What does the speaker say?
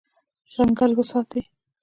ځنګل وساتئ.